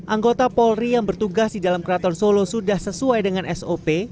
anggota polri yang bertugas di dalam keraton solo sudah sesuai dengan sop